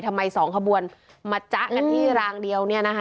ทำไมสองขบวนมาจ๊ะกันที่รางเดียวเนี่ยนะคะ